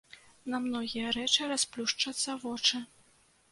На многія рэчы расплюшчацца вочы.